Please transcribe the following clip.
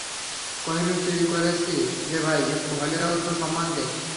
কোহিনূর চুরি করেছি রে ভাই, একটু হলেও তো সম্মান দেহ!